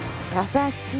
優しい。